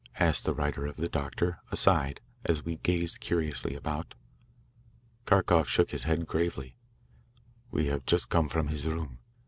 asked the writer of the doctor, aside, as we gazed curiously about. Kharkoff shook his head gravely. "We have just come from his room.